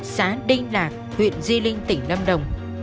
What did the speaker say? xã đinh lạc huyện di linh tỉnh lâm đồng